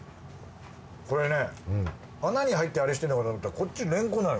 これね穴に入ってあれしてんのかと思ったらこっちレンコンなの。